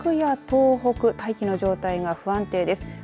ただ北陸や東北大気の状態が不安定です。